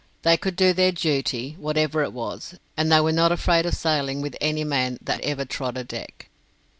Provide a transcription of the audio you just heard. They could do their duty, whatever it was; and they were not afraid of sailing with any man that ever trod a deck.